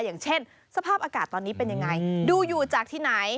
อย่างเช่นสภาพอากาศตอนนี้เป็นยังไงดูอยู่จากที่ไหน